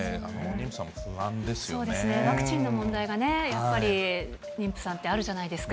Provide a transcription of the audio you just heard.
そうですね、ワクチンの問題がね、やっぱり妊婦さんってあるじゃないですか。